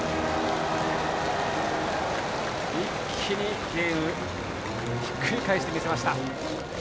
一気にゲームをひっくり返してみせました。